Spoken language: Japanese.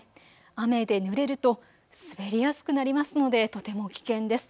雨でぬれると滑りやすくなりますので、とても危険です。